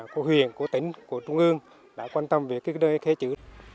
của huyện của tỉnh của trung ương đã quan tâm về cái nơi khe chữ